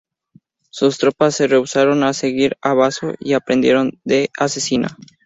Sus tropas se rehusaron a seguir a Baso y prendieron a Cecina.